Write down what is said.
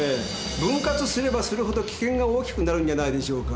分割すればするほど危険が大きくなるんじゃないでしょうか。